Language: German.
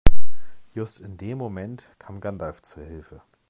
Just in dem Moment kam Gandalf zu Hilfe.